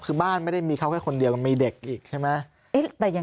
คือบ้านไม่ได้มีเขาแค่คนเดียวมันมีเด็กอีกใช่ไหม